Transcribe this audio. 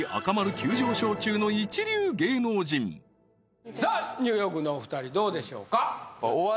急上昇中の一流芸能人さあニューヨークのお二人どうでしょうか？